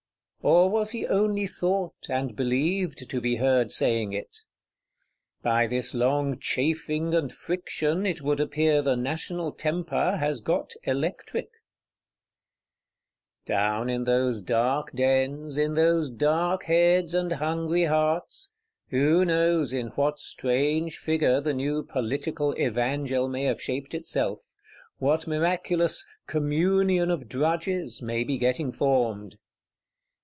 Or was he only thought, and believed, to be heard saying it? By this long chafing and friction it would appear the National temper has got electric. Down in those dark dens, in those dark heads and hungry hearts, who knows in what strange figure the new Political Evangel may have shaped itself; what miraculous "Communion of Drudges" may be getting formed!